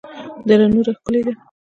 دره نور ښکلې ده؟